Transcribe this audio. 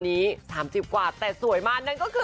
นี้๓๐กว่าแต่สวยมากนั่นก็คือ